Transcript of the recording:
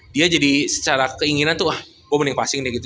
dia jadi secara keinginan tuh ah gue mending passing deh gitu